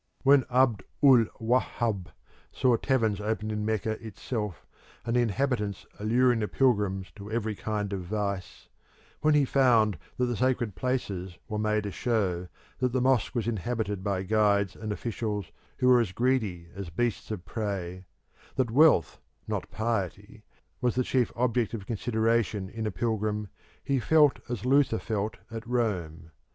When Abd ul Wahhab saw taverns opened in Mecca itself, and the inhabitants alluring the pilgrims to every kind of vice; when he found that the sacred places were made a show, that the mosque was inhabited by guides and officials who were as greedy as beasts of prey, that wealth, not piety, was the chief object of consideration in a pilgrim, he felt as Luther felt at Rome.